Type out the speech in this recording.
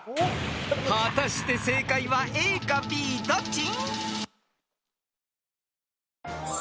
［果たして正解はＡかＢどっち？］